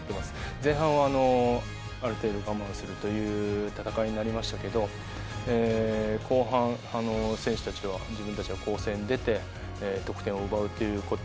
前半はある程度我慢するという戦いになりましたけど後半、選手たちは自分たちで攻勢に出て得点を奪うということ。